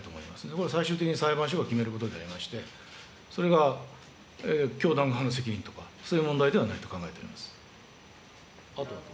これは最終的に裁判所が決めることでありまして、それが教団側の責任とか、そういう問題ではないと考えております。